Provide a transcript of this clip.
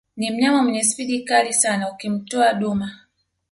Ni mnyama mwenye speed kali sana ukimtoa duma